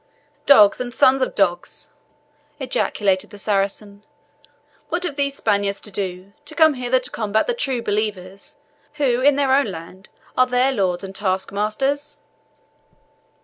"Dogs, and sons of dogs!" ejaculated the Saracen; "what have these Spaniards to do to come hither to combat the true believers, who, in their own land, are their lords and taskmasters?